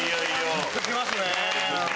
グッときますね。